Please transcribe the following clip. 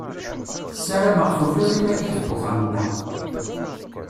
Ssarameɣ tufiḍ iman-ik deg uxxam-nneɣ.